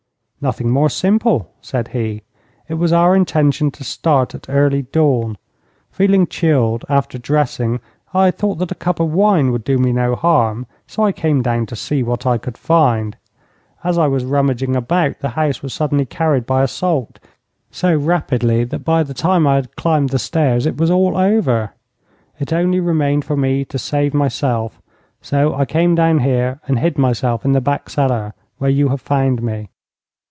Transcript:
'Nothing more simple,' said he. 'It was our intention to start at early dawn. Feeling chilled after dressing, I thought that a cup of wine would do me no harm, so I came down to see what I could find. As I was rummaging about, the house was suddenly carried by assault so rapidly that by the time I had climbed the stairs it was all over. It only remained for me to save myself, so I came down here and hid myself in the back cellar, where you have found me.'